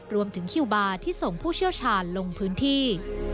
รวมถึงคิวบาร์ที่ส่งผู้เชี่ยวชาญลงพื้นที่